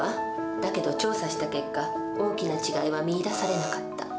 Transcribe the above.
だけど調査した結果大きな違いは見いだされなかった。